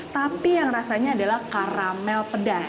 tapi yang rasanya adalah karamel pedas